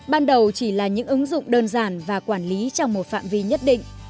ban đầu chỉ là những ứng dụng đơn giản và quản lý trong một phạm vi nhất định